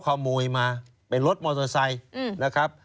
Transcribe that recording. ขโมยมาเป็นรถมอเตอร์ไซค์นะครับ